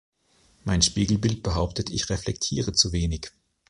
Mein Spiegelbild behauptet, ich reflektiere zu wenig.